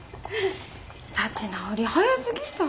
立ち直り早すぎさ。